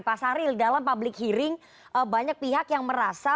pak sahril dalam public hearing banyak pihak yang merasa